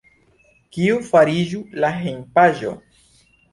Kio fariĝu la hejmpaĝo?